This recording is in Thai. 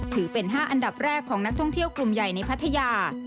ถือเป็น๕อันดับแรกของนักท่องเที่ยวกลุ่มใหญ่ในพัทยา